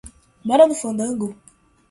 Bora no fandango